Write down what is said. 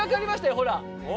ほら。